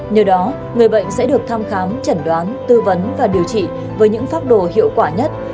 nhờ đó người bệnh sẽ được thăm khám chẩn đoán tư vấn và điều trị với những pháp đồ hiệu quả nhất